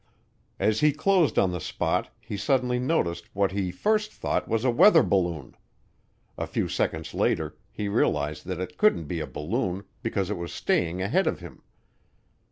As he closed on the spot he suddenly noticed what he first thought was a weather balloon. A few seconds later he realized that it couldn't be a balloon because it was staying ahead of him.